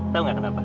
tau nggak kenapa